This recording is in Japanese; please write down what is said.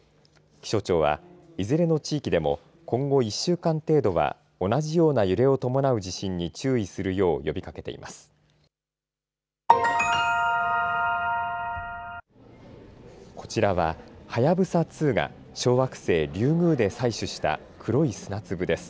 気象庁はいずれの地域でも今後１週間程度は同じような揺れを伴う地震に注意するよう呼びかけています。